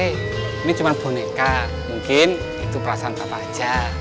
ini cuma boneka mungkin itu perasaan pak raja